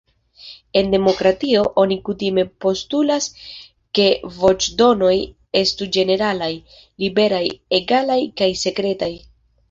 En demokratio, oni kutime postulas ke voĉdonoj estu ĝeneralaj, liberaj, egalaj kaj sekretaj.